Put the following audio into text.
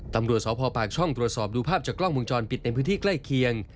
ตำรวจสพปากช่องตรวจสอบดูภาพจากกล้องวงจรปิดในพื้นที่ใกล้เคียง